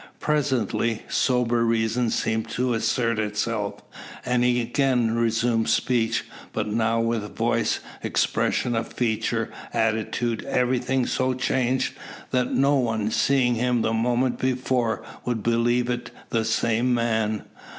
Presently, sober reason seems to assert itself, and he again resumes speech; but now with voice, expression of features, attitude, everything so changed, that no one, seeing him the moment before, would believe it the same man.